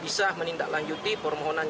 bisa menindaklanjuti permohonan